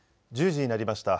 １０時になりました。